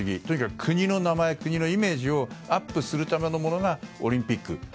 とにかく国の名前、イメージをアップするためのものがオリンピック。